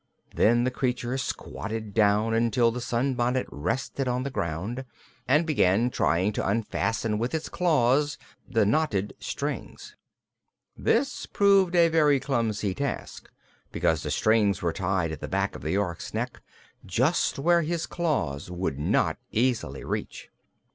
Then the creature squatted down until the sunbonnet rested on the ground, and began trying to unfasten with its claws the knotted strings. This proved a very clumsy task, because the strings were tied at the back of the Ork's neck, just where his claws would not easily reach.